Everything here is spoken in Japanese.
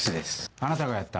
あなたがやった？